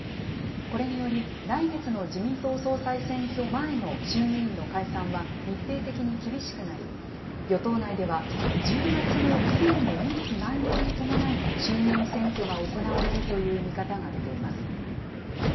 これにより、来月の自民党総裁選挙前の衆議院の解散は日程的に厳しくなり、与党内では１０月の議員の任期満了に伴い、衆議院選挙が行われるという見方が出ています。